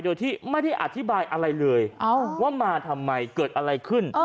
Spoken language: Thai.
โดยที่ไม่ได้อธิบายอะไรเลยว่ามาทำไมเกิดอะไรขึ้น